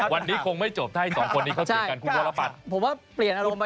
วันนี้คงไม่จบได้๒คนนี้เขาเปลี่ยนกันคุณพลปัช